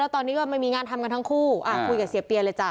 ตอนนี้ก็ไม่มีงานทำกันทั้งคู่คุยกับเสียเปียเลยจ้